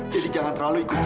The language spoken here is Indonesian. jadi jangan terlalu ikut saya